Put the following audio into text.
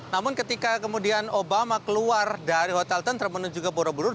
namun ketika kemudian obama keluar dari hotel tenter menuju ke borobudur